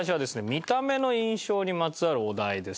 見た目の印象にまつわるお題です。